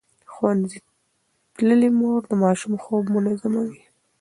ښوونځې تللې مور د ماشوم خوب منظموي.